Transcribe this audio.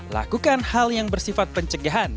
lakukan hal yang bersifat pencegahan